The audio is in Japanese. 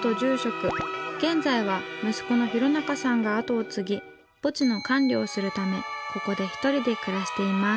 現在は息子の廣仲さんが跡を継ぎ墓地の管理をするためここでひとりで暮らしています。